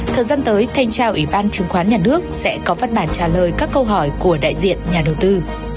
thời gian tới thanh tra ủy ban chứng khoán nhà nước sẽ có văn bản trả lời các câu hỏi của đại diện nhà đầu tư